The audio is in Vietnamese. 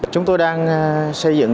chúng tôi đang xây dựng